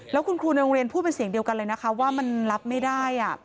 แล้วคุณครูในโรงเรียนพูดเป็นเสียงเดียวกันเลยนะคะว่ามันรับไม่ได้